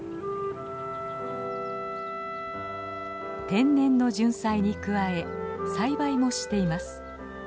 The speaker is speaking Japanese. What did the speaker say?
天然のジュンサイに加え栽培もしています。